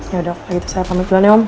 yaudah kalau gitu saya pamit dulu aja om